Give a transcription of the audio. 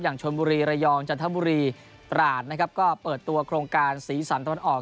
ชนบุรีระยองจันทบุรีตราดนะครับก็เปิดตัวโครงการสีสันตะวันออก